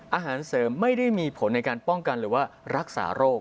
อาหารเสริมไม่ได้มีผลในการป้องกันหรือว่ารักษาโรค